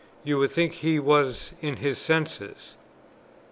you would think he was in his senses."